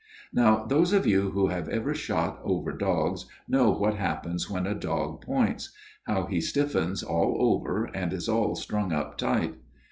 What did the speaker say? " Now, those of you who have ever shot over dogs know what happens when a dog points ; how he stiffens all over and is all strung up tight.